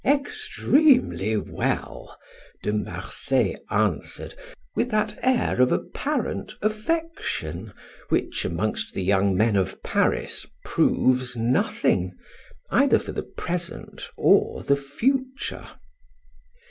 "Extremely well," De Marsay answered, with that air of apparent affection which amongst the young men of Paris proves nothing, either for the present or the future.